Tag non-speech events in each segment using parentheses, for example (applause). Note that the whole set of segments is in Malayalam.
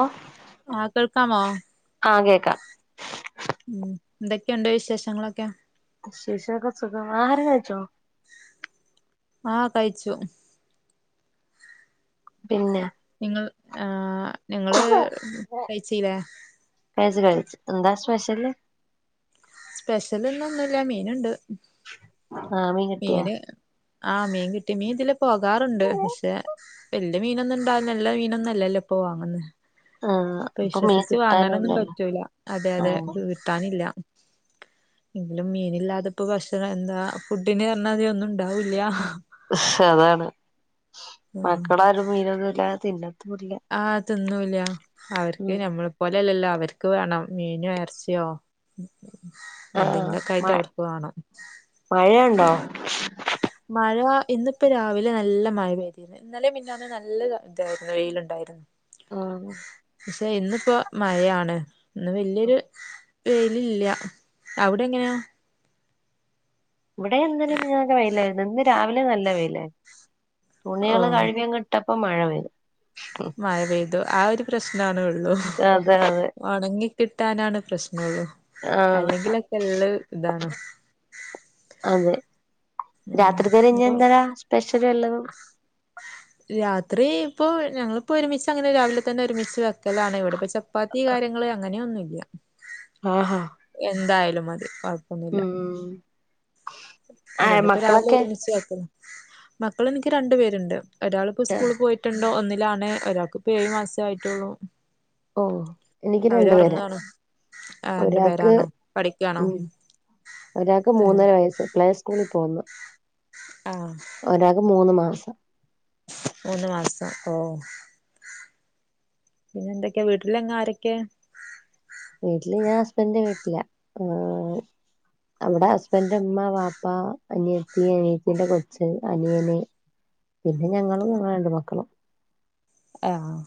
ഓ ആഹ് കേൾക്കാമോ? ആഹ് കേക്കാം ഉം എന്തൊക്കെണ്ട് വിശേഷങ്ങളൊക്കെ. ശേഷൊക്കെ സുഖമാ ആഹാരം കയ്ച്ചോ? ആഹ് കയ്ച്ചു. പിന്ന. നിങ്ങൾ ആ നിങ്ങള് കയ്ചീല്ലേ? കയ്ച്ച്, കയ്ച്ചു. എന്താ സ്പെഷല്? സ്പെഷ്യല് ന്ന് ഒന്നുല്ല മീന്ണ്ട് ആഹ് മീൻ കിട്ടിയാ മീന്. ആ മീൻ കിട്ടി മീൻ ഇതിലെ പോകാറുണ്ട്. പഷെ വല്യ മീനൊന്നുംണ്ടാവില്ല നല്ല മീനൊന്നും ല്ലല്ലോ ഇപ്പോ വാങ്ങ്ന്നെ. ആഹ്. ഇപ്പൊ മീൻ വിശ്വസിച്ച് വാങ്ങാനൊന്നും കിട്ടാനുംല്ലല്ലോ പറ്റൂല. അതെ, അതെ ആഹ് കിട്ടാനില്ല. ന്നാലും മീനില്ലാതപ്പോ ഭക്ഷണം എന്താ ഫുഡ്‌ന് പറ്ഞ്ഞാതിരി ഒന്നും ഉണ്ടാവൂല്ല്യ. ഹ അതാണ് ഉം മക്കളാരും മീനൊന്നു ല്ലാതെ തിന്ന ആഹ് ത് ന്നൂല്ല അവര്ക്ക് ഉം ഞമ്മളെ പോലല്ലല്ലോ അവര്ക്ക് വേണം മീനും എറ് ചിയോ. എന്തെങ്കിലൊക്കെ ആയിട്ട് അവർക്ക് വേണം. മഴേണ്ടോ? മഴ ഇന്നിപ്പ രാവിലെ നല്ല മഴ പെയ്ത്. ഇന്നലെ മിനിഞ്ഞാന്നും നല്ല താ തായിര്ന്നു വെയില്ണ്ടായിരുന്നു. ആഹു. ക്ഷേ ഇന്ന്പ്പൊ മഴയാണ് ഇന്ന് വല്യൊര്. വെയിലില്ല. അവിടെങ്ങന? ഇവിടെ ഇന്നലേം മിനിയാന്ന്ക്കെ വെയിലായിര്ന്ന് ഇന്ന് രാവില നല്ല വെയിലായിരുന്നു. തുണിയേള് ഓഹ് കഴ്കിയങ്ട് ട്ടപ്പ മഴ പെയ്തു. മഴ പെയ്തു ആ ഒരു പ്രശ്നാണോള്ളൂ. അതെ, അതെ. ഒണങ്ങി കിട്ടാനാണ് പ്രശ്നൊള്ളൂ.. ആഹ് അല്ലെങ്കിലൊക്കെ ള്ള് ഇതാണ്. അതെ രാത്രിത്തേന് ഉം ഞ്ഞിന്തേരാ സ്പെഷ്യല് വല്ലതും. രാത്രി ഇപ്പോ ഞങ്ങള്പ്പോ ഒരുമിച്ച് അങ്ങനെ രാവിലെ തന്നെ ഒരുമിച്ച് വെക്കലാണ്. ഇവിടെപ്പ ചപ് പ്പാത്തി കാര്യങ്ങള് അങ്ങനെയൊന്നുല്ല. ആഹ. എന്തായാലും മതി കൊഴ്പ്പൊന്നുല്ല ആഹ് അതണ്ട് പ്പൊ രാവിലെ മക്കളൊക്കെ ഒരുമിച്ച് വെക്കും. മക്കള്ൻക്ക് രണ്ടു പേരുണ്ട് ഒരാള്പ്പോ സ്കൂള് പോയിട്ടുണ്ട് ഒന്നിലാണ്. ഒരാക്ക് ഇപ്പോ ഏഴ് മാസേ ആയിട്ടൊള്ളു ഓഹ് എനിക്ക് രണ്ടു പേരാ ആ രണ്ടു ഒരാക്ക് പേരാണോ പഠിക്കാണോ ഉം ഒരാക്ക് ഏഹ് മൂന്നര വയസ്സ് പ്ലേ സ്കൂളി പോന്നു ആഹ് ഒരാക്ക് മൂന്ന് മാസം മൂന്ന് മാസം ഓഹ് പിന്നെ എന്തൊക്കെയാ വീട്ടിലെങ്ങാരൊക്കെയാ വീട്ടില് ഞാൻ ഹസ്ബൻഡ്ന്റെ വീട്ടില. ആഹ് അവ്ടെ ഹസ്ബൻഡറ്ന്റെ മ്മ വാപ്പ അനിയത്തി അനിയത്തിന്റെ കൊച്ച് അനിയന് പിന്നെ ഞങ്ങളും ഞങ്ങള്ടെ രണ്ട് മക്കളും ആഹ്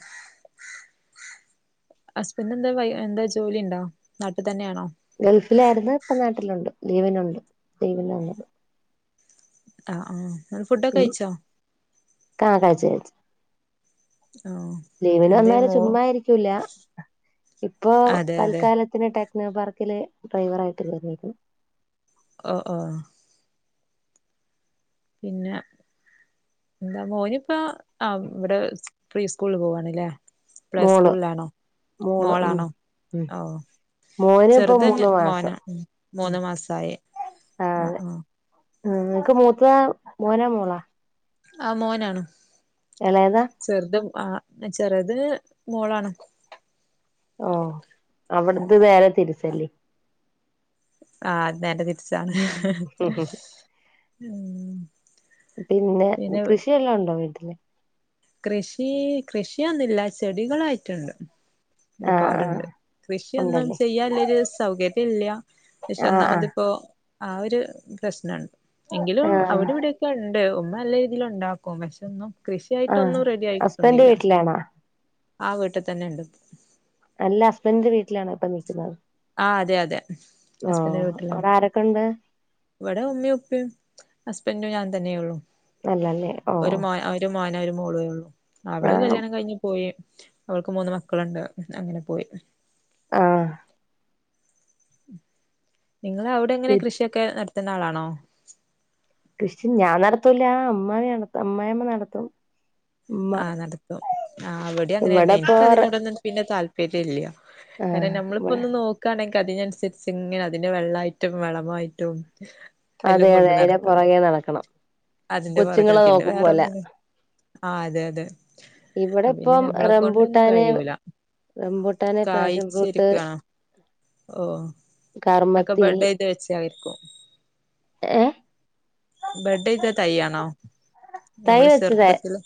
ഹസ്ബൻഡ് ന്താ വയ് എന്താ ജോലി ണ്ടോ നാട്ടി തന്നെയാണോ ഗൾഫിലായിര്ന്ന് ഇപ്പ നാട്ടിലുണ്ട് ലീവ്ന് ഉണ്ട്. ലീവിന് വന്നത് ആഹ് ആഹ് ഫുഡൊക്കെ കയ്ച്ചോ ആഹ് കയ്ച്ച് കയ്ച്ച് ആഹ് ലീവിന് വന്നാല് ചുമ്മായിരിക്കൂല ഇപ്പൊ അതെ അതെ തൽക്കാലത് ത്തിന് ടെക്നോ പാർക്കില് ഡ്രൈവറായിട്ട് കേറീക്ക്ണ് ഓ ഓഹ് പിന്നെ എന്താ മോനിപ്പ ആ ഇവിടെ പ്രീ സ്കൂളിൽ പോവണല്ലേ പ്ലേ മോള് സ്കൂളിലാണോ മോള് ഉം മോളാണോ ഉം ഓ മോന് ഇപ്പൊ ചെറുതങ്ങ് മൂന്ന് മോന മാസം മ് ഉം മൂന്ന് മാസായി ആഹ് ആഹ് ഉം നിനക്ക് മൂത്ത മോനാ മോളാ ആഹ് മോനാണ് എളേതാ ചെറുത് ആ ചെറുതിനു മോളാണ് ഓ അവിടുത് വേറെ തിരിച്ചല്ലി ആഹ അത് നേരെ തിരിച്ചാണ് ഉം പിന്നെ കൃഷിയെല്ലാം ഉണ്ടോ വീട്ടില് കൃഷി കൃഷിയൊന്നുമില്ല ചെടികളായിട്ടുണ്ട് ആ ആ ഒരുപാടുണ്ട് കൃഷിയൊന്നും ഉണ്ടല്ലേ ചെയ്യാല്ലൊരു സൗകര്യ ഇല്ല ആ ആ പക്ഷെന്നാമതിപ്പോ ആ ഒരു പ്രശ്നമുണ്ട് എങ്കിലും ആ അവിര് ഇവിടെ ക്കെ ഉണ്ട് ഉമ്മ നല്ല രീതിയിൽ ഉണ്ടാക്കും പക്ഷെ ഒന്നും ആ കൃഷിയായിട്ടൊന്നും റെഡി ആയി ഹസ്ബൻഡ് കിട്ടുന്നില്ല വീട്ടിലാണോ ആ വീട്ടിൽ തന്നെ ഉണ്ട് അല്ല ഹസ്ബൻഡിന്റെ വീട്ടിലാണ് ഇപ്പൊ നിക്കുന്നത് ആഹ് അതെ അതെ ഓ ഹസ്ബെന്റിന്റെ വീട്ടിലാ അവിടെ ആരൊക്കെണ്ട് ഇവിടെ ഉമ്മയും ഉപ്പയും ഹസ്ബൻറും ഞാൻ തന്നെയെ ഉള്ളു അല്ലല്ലേ ഓ ഒരു മോൻ ഒരു മോനു ഒരു മോളേ ഉള്ളൂ ആ അവള് കല്യാണം കഴിഞ്ഞഞ് പോയി ഓൾക്ക് മൂന്ന് മക്കളുണ്ട് അങ്ങനെ പോയി ആഹ് നിങ്ങളവിടെങ്ങനെ കൃഷിയൊക്കെ നടത്തുന്ന ആളാണോ കൃഷി ഞാൻനടത്തൂല അമ്മാവി അമ്മായിമ്മ നടത്തും ഉമ്മ ആഹ് നടത്തും ആഹ് ഇവിടേം അങ്ങനെ തന്നെ ഇവിടെപ്പോ എനിക്ക് അതിനോടൊന്നും പിന്നെ താല്പര്യല്ല്യ കാരണം നമ്മളിപ്പോ ആ ഒന്ന് നോക്ക ക്കാണെങ്കിൽ അതിനനുസരിച്ച് ഇങ്ങനെ അതിന്റെ വെള്ളമായിട്ടും വളമായിട്ടും എല്ലാം അതെ അതെ കൊണ്ട് അതിന്റെ നടക്കണം പുറകെ നടക്കണം അതിന്റെ പുറകെ കൊച്ചുങ്ങളെ പിന്നെ നോക്കും വേറെ പോലെ ഒന്നിനും ആഹ് അതെ അതെ ഇവിടെ പിന്നെ ഇപ്പം ഞമ്മളെ കൊണ്ടൊന്നും റംബൂട്ടാന് കഴൂല റംബൂട്ടാന് പാഷൻ ഫ്രൂട്ട് കായിച്ചിരിക്ക ഓ കർമ്മത്തി (inaudible) വെച്ച് ആയിപ്പോ (inaudible) ഏ ബഡ് ചെയ്ത തൈയാണോ തൈ നമ്മള് വെച്ചത് ചെറുപ്പത്തില്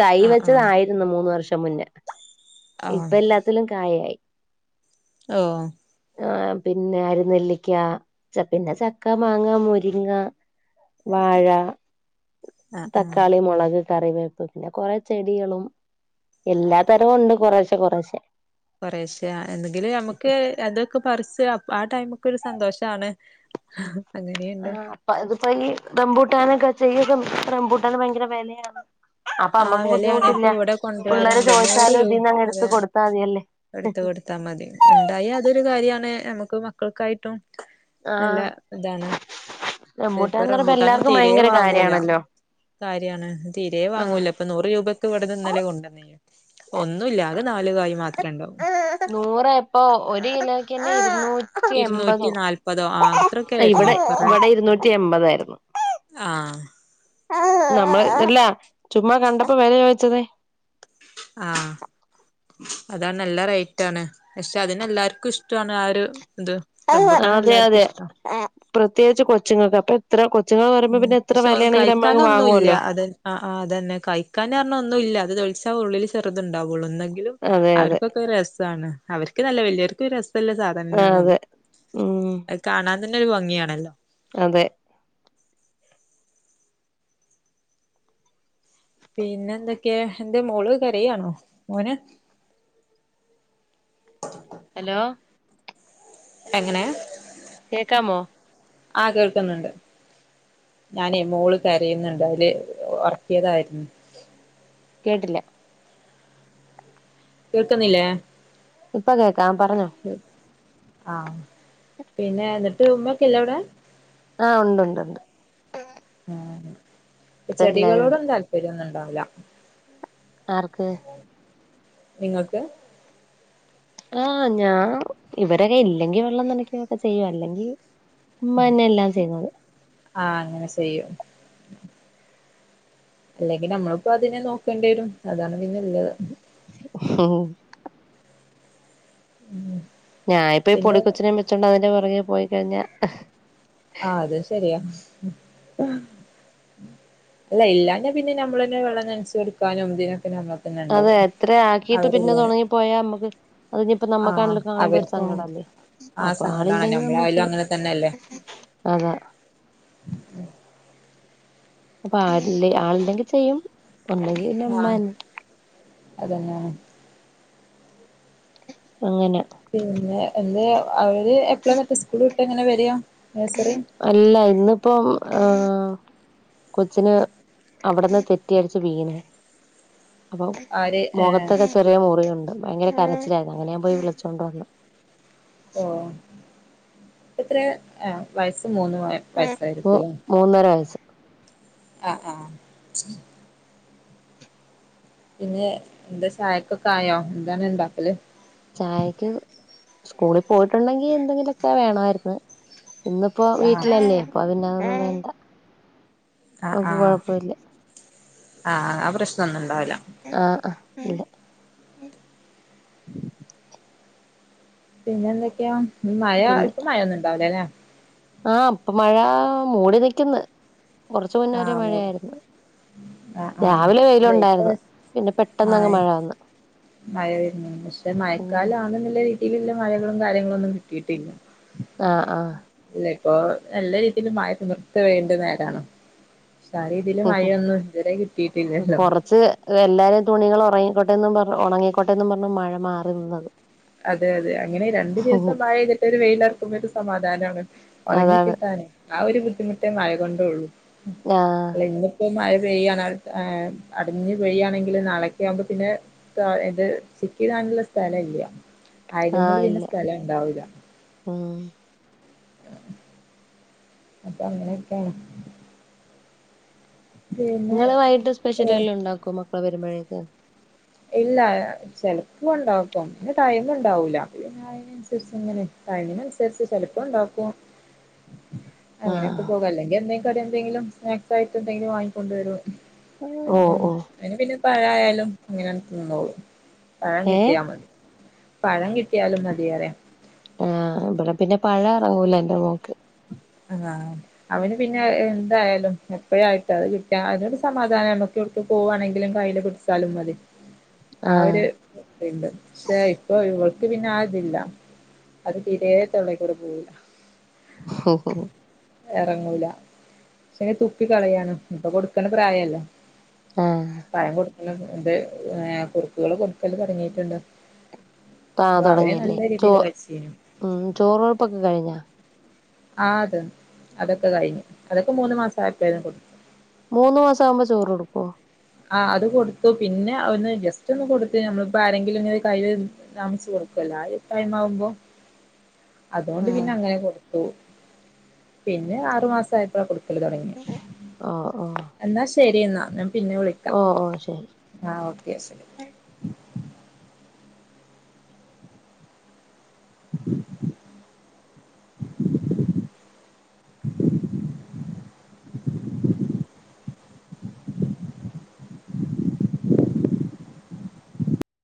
തൈ ആഹ് ആഹ് വെച്ചതായിരുന്നു മൂന്ന് വർഷം മുന്നേ ഇപ്പ ആഹ് എല്ലാത്തിലും കായായി ഓ ആ പിന്നെ അരുനെല്ലിക്ക പിന്നെ ചക്ക മാങ്ങ മുരിങ്ങ വാഴ ആഹ് ആഹ് തക്കാളി മുളക് കറിവേപ്പില പിന്നെ കൊറെ ചെടികളും എല്ലാ തരവും ഉണ്ട് കുറശ്ശെ കുറശ്ശെ കൊറെശെ എന്തെങ്കില് നമ്മുക്ക് അതൊക്കെ പറിച്ച് ആ ടൈംക്ക് ഒരു സന്തോഷമാണ് (inaudible) ആ അങ്ങനെയുണ്ട് അപ്പ ഇതിപ്പോ ഈ റംബൂട്ടാനൊക്കെ ചെയ്തും റംബൂട്ടൻ ഭയങ്കര വിലയാണ് അപ്പൊ ആ അമ്മുക്ക് വെലയാണ് ഇപ്പൊ ബുദ്ധിമുട്ടില്ല ഇവിടെ പിള്ളേരെ കൊണ്ടുവരാറുണ്ട് ചോദിച്ചാലും ഇതിന്ന് ആ എടുത്ത് കൊടുത്താൽ മതിയല്ലേ എടുത്ത കൊടുത്താൽ മതി ഉണ്ടായി അതൊരു കാര്യാണ് നമുക്ക് മക്കൾക്കായിട്ടും നല്ല ആഹ് ഇതാണ് ഇപ്പൊ റംബൂട്ടാൻന്ന് പറയുമ്പോ റബൂട്ടാനും എല്ലാർക്കും തീര ഭയങ്കര വാങ്ങൂല കാര്യാണല്ലോ കാര്യമാണ് തീരെ വാങ്ങൂല ഇപ്പൊ നൂറ് രൂപയ്ക്ക് ഇവിടന്ന് ഇന്നലെ കൊണ്ടുവന്ന ഒന്നുമില്ല ആകെ നാല് കായി മാത്രേ ഉണ്ടാവും (inaudible) നൂറ് ആയപ്പോൾ ഒരു കിലോക്ക് തന്നെ ഇരുനൂറ് ഇരുനൂറ്റി അമ്പത് ഇരുന്നൂറ്റി നാല്പതോ ആ അത്രൊക്കെ ആയിരുന്നു ഇവിടെ ഇവിടെ ഇരുന്നൂറ്റി എമ്പതായിരുന്നു ആഹ് (inaudible) നമ്മള് ഇല്ല ചുമ്മാ കണ്ടപ്പോ വെല ചോയ്ച്ചതെ ആഹ് അതാണ് നല്ല റേയ്റ്റാണ് പക്ഷെ അതിനെ എല്ലാര്ക്കും ഇഷ്ടാണ് ആഹ് ഒരു ഇത് ആഹ് റംബൂട്ടാൻ അതെ എല്ലാർക്കും അതെ ഇഷ്ടാ പ്രത്യേകിച്ച് കൊച്ചുങ്ങക്ക് അപ്പെത് ത്ര കൊച്ചുങ്ങൾ പറയുമ്പോൾ ഉം പിന്നെ എത്ര വെലയാണെങ്കിലും നമ്മ അങ് വാങ്ങുവല്ലോ അഹ് ആഹ് അതന്നെ കയ്ക്കാൻ ന്ന്പറഞ്ഞ ഒന്നും ഇല്ല അത് തൊളിച്ചാ ഉള്ളില് ചെറുതുണ്ടാവുള്ളൂ എന്നെങ്കിലും അതെ അതെ അവര്ക്കൊക്കെ രസാണ് അവര്ക്ക്ന്നല്ല വലിയവർക്കും രസല്ലേ ആ സാധനന്നെയാണ് അത് അതെ ഉം അത് കാണാൻ തന്നെ ഒരു ഭംഗിയാണ അതെ പിന്നെ എന്തൊക്കെയാ എന്തെ മോള് കരയാണോ മോന് ഹലോ എങ്ങനെ കേക്കാമോ ആഹ് കേൾക്കുന്നുണ്ട് ഞാൻ മോള് കരയുന്നുണ്ട് അതില് ഒറക്കിയതാരുന്നു കേട്ടില്ല കേൾക്കുന്നില്ലേ ഇപ്പ കേക്കാം പറഞ്ഞോ ആഹ് പിന്നെ ന്ന്ട്ട് ഉമ്മക്കില്ല്യേവടെ? ആഹ് ഉണ്ട് ഉണ്ട് ഉണ്ട്. ആഹ് ഇപ്പ എല്ലാരും ഉണ്ട് ചെടികളോടൊന്നും താല്പര്യോന്നും ണ്ടാവൂലാ. ആർക്ക്? നിങ്ങൾക്ക്. ആഹ് ഞാൻ ഇവരൊക്കെ ഇല്ലെങ്കി വെള്ളം നനയ്ക്കുവൊക്കെ ചെയ്യും അല്ലെങ്കി ഉമ്മന്നെ എല്ലാം ചെയ്യുന്നത്. ആഹ് അങ്ങനെ സേയ്യും. അല്ലെങ്കി ന്നമ്മള്പ്പോ അതിനെ നോക്കേണ്ടി വരും അതാണ് പിന്നെള്ളത്. ഓഹ് ഉം ഞായിപ്പോ ഈ പൊടി കൊച്ചിനേം വെച്ചോണ്ട് അതിന്റെ പുറകെ പോയിക്കഴിഞാ അഹ് ആഹ് അതും ശെരിയാ. അല്ല ഇല്ലാഞാ പിന്നെ ഞമ്മളന്നെ വെള്ളം നൻച്ച് കൊടുക്കാനും ഇതിനൊക്കെ നമ്മ അതെ അത്രെ ആക്കീട്ട് പിന്നെ അത് ഒണങ്ങി പോയാ മ്മക്ക് അത്ഞ്ഞിപ്പോ ആഹ് നമ്മക്കാണെലും കാണുമ്പോ ഒരു അവർക്കും സങ്കടല്ലേ ആഹ് അപ്പൊ സങ്കടാണ് ആളില്ലെങ്കി നമ്മള് നമ്മളായാലും ചെയ് അങ്ങനെ തന്നെയല്ലേ അതാ (inaudible) അപ്പൊ ആര്ല്ലേ ആള്ണ്ടേങ്കി ചെയ്യും ഉണ്ടെങ്കി പിന്നെ ഉമ്മന്നെ. അതന്നെ. അങ്ങനാ പിന്നെ എന്തെ അവര് എപ്പളാ മറ്റേ സ്കൂള് വിട്ട് എങ്ങനെ വര്ആ? അല്ല ഇന്ന്പ്പം ആഹ്. കൊച്ചിന് അവട്ന്ന് തെറ്റി അടിച്ച് വീണേ. അപ്പൊ ആര് ഏ മൊഖത്തൊക്കെ ചെറിയ മുറിയുണ്ട്, ഭയങ്കര കരച്ചിലാരുന്നു അങ്ങനെ ഞാൻ പോയി വിളിച്ചോണ്ട് വന്നു. ഓഹ് എത്രെ ആഹ് വയസ് മൂന്ന് പായം. പ്പോ മൂന്നര വയസ്. ആഹ് ആഹ്. പിന്നെ ന്താ ചായകൊക്കേ ആയോ എന്താണ് ണ്ടാക്കല്? ചായക്ക് സ്കൂളി പോയിട്ടുണ്ടെങ്കി എന്തെങ്കിലൊക്കെ വേണാര്ന്ന് ഇന്ന് പ്പൊ ആ വീട്ടിലല്ലേ അപ്പൊ പിന്നേ അതൊന്നും വേണ്ട. അ നമുക്ക് ആഹ് കൊഴപ്പമില്ല ആഹ് ആ പ്രശ്നൊന്നും ഉണ്ടാവൂലാ. ആഹ് അ ഇല്ല. പിന്നെ എന്തൊക്കെയാ മയ പിന്നെ ഇപ്പ മയന്നുണ്ടാവുലലേ. ആഹ് ഇപ്പൊ മഴ മൂടി നിക്കുന്ന് കൊർച്ചു ആ മുന്നേരേ മൂടി മഴയായിരുന്നു. ആ ആ രാവിലെ അല്ല ഇപ്പ വെയിലുണ്ടായിരുന്നു, പിന്നെ പെട്ടെന്ന് അങ്ങ് മഴ വന്ന്. മയ വര്ന്നു പക്ഷെ മയക്കാല ഉം ആണെന്നുള്ള രീതിയിലുള്ള മയകളും കാര്യങ്ങളൊന്നും കിട്ടീട്ടില്ലാ. ആഹ് ആഹ്. ഇല്ല ഇപ്പൊ നല്ല രീതീല് മയ നിർത്ത വേണ്ട നേരാണ്. ആ ഇതില് മഴയൊന്നും ഇതുരെ കിട്ടിയിട്ടില്ലല്ലോ. എല്ലാരേ തുണികള് ഒറങ്ങിക്കോട്ടെ എന്നും പറ ഒണങ്ങിക്കോട്ടെ എന്നും പർഞ് മഴ മാറി നിന്നത്. അതെ അതെ അങ്ങനെ രണ്ടു ദിവസം മയയ്തിട്ട് ഒരു വെയിലർക്കുമ്പ ഒരു സമാധാനാണ് ഒണങ്ങി അതാണ് കിട്ടാനേയ്. ആഹ് ഒര് ബുദ്ധിമുട്ടേ മയ കൊണ്ടൊള്ളൂ. നാ ഇന്ന്പ്പോ മയ പെയ്യാണ് അടിഞ്ഞ് പെയ്യാണെങ്കില് നാളെക്ക് ആവുംമ്പോ പിന്നെ ഇത് ചിക്കി കാണുള്ള സ്ഥലം ഇല്ല ആയിട മുല് ആഹ് പിന്നെ ഇല്ല സ്ഥലം ഉണ്ടാവില്ല ഉം അപ്പൊ അങ്ങനെയൊക്കെ ആണ് പിന്നെ നിങ്ങള് വൈട്ട് സ്പെഷ്യൽ ഏഹ് എല്ലാം ഉണ്ടാക്കോ മക്കളെ വരുമ്പോഴേക്ക് ഇല്ല ചെലപ്പ ഉണ്ടാക്കും പി ടൈം ഉണ്ടാവൂല അനുസരിച്ച് ഇങ്ങനെ കഴിഞ്ഞനുസരിച്ച് ചിലപ്പോ ഉണ്ടാക്കും അങ്ങനെയൊക്കെ ആഹ് പോക അല്ലെങ്ക എന്തെങ്കും എന്തെങ്കിലും സ്നാക്സയിട്ട് എന്തെങ്കിലും വാങ്ങിക്കൊണ്ട വരോ ഓ അങ്ങനെ ഓ അങ്ങനെ പിന്നെ പഴ ആയലും അങ്ങനെ തന്നോളൂ പഴം ഏ കിട്ടിയാൽ മതി പഴം കിട്ടിയാലും മതിയേറെ ആഹ് ഇവിടെ പിന്നെ പഴം ഇറങ്ങൂല എന്റെ മോക്ക് (unintelligible) അവന് പിന്നെ എന്തായാലും എപ്പഴായിട്ട് അത് കിട്ട അതിനൊരു സമാധാനം നൊക്കെ ഇടുക്ക് പോവുകവാണെങ്കിലും കയ്യിൽ കിട്ട സാല മതി ആഹ് ഒരു ണ്ട് പക്ഷേ ഇപ്പൊ ഇവൾക്ക് പിന്നെ ആതില്ല അത് തിരേ തള്ളക്കൂടെ പോവില്ല (unintelligible) ഇറങ്ങൂല പക്ഷെ തുപ്പി കളയാണ് ഇപ്പൊ കൊടുക്കണ്ട പ്രായല്ലോ ആഹ് ഭയം കൊടുക്കല എ കുറുക്കുകൾ കൊടുക്കല് തുടങ്ങിയിട്ടുണ്ട് ആഹ് അപ്പൊ അവേ തുടങ്ങിയല്ലേ നല്ല ചോ രീതിയിൽ കഴിച്ച ന്യൂ ഉം ചോറ് ഉഴപ്പൊക്കെ കഴിഞ്ഞാ ആഹ് അത അതൊക്കെ കഴിഞ്ഞു അതൊക്കെ മൂന്ന് മാസം ആയപ്പോയി കൊടുത് മൂന്ന് മാസം ആവുമ്പോ ചോറ്ടുക്കുവോ ആഹ് അത് കൊടുത്തു പിന്നെ ഒന്ന് ജസ്റ്റ് ഒന്ന് കൊടുത്ത് നമ്മളിപ്പോ ആരെങ്കിലും ഇങ്ങ കയ്യിൽ താമിച്ച് കൊടുക്കലോ ആയൊരു ടൈംമാവുമ്പോ അതുകൊണ്ട് പിന്നെ ആഹ് അങ്ങനെ കൊടുത്തു പിന്നെ ആറു മാസ ആപ്പോഴാ കൊടുക്കല് തുടങ്ങി ആഹ് ഓഹ് എന്നാ ശരി എന്നാ ഞാൻ പിന്നെ വിളിക്ക ഓഹ് ഓഹ് ശരി ആഹ് ഓക്കെ ശരി